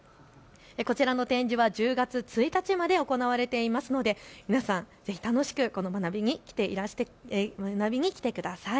こちらの展示は１０月１日まで行われていますので皆さん、ぜひ楽しく学びに来てください。